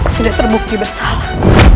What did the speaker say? sudah terbukti bersalah